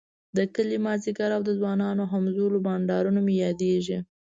د کلي ماذيګر او د ځوانانو همزولو بنډارونه مي ياديږی